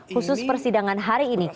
khusus persidangan hari ini